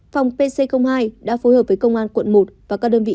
phòng pc hai đã phối hợp với công an quận một và các đơn vị